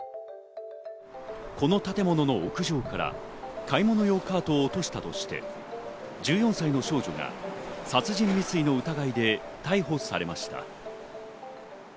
この建物の屋上から買い物用カートを落としたとして、１４歳の少女が殺人未遂の疑いで逮捕されました。